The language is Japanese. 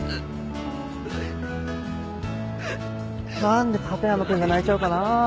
何で立山君が泣いちゃうかなもう。